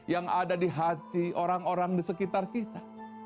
yang ada di hati orang orang di sekitar kita